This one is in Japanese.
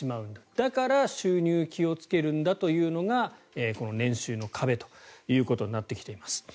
だから収入に気をつけるんだというのがこの年収の壁ということになってきています。